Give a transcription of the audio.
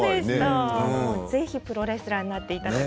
ぜひプロレスラーになってほしい。